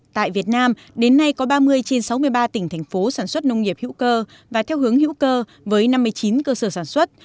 tại việt nam đến nay có ba mươi trên sáu mươi ba tỉnh thành phố sản xuất nông nghiệp hữu cơ và theo hướng hữu cơ với năm mươi chín cơ sở sản xuất